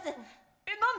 えっ何で？